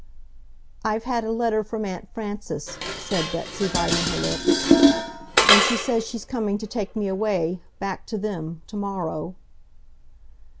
"I've had a letter from Aunt Frances," said Betsy, biting her lips, "and she says she's coming to take me away, back to them, tomorrow."